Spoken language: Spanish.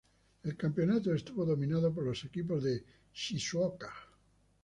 El campeonato estuvo dominado por los equipos de Shizuoka.